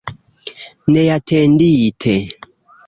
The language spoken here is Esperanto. Neatendite.